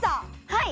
はい